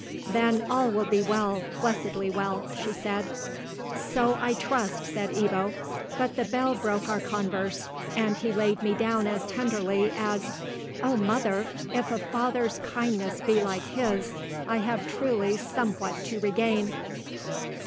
"Then all will be well, blessedly well," she said. "So I trust," said Ebbo, "but the bell broke our converse, and he laid me down as tenderly as—O mother, if a father's kindness be like his, I have truly somewhat to regain."